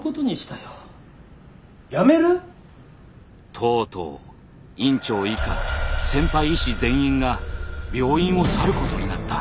とうとう院長以下先輩医師全員が病院を去ることになった。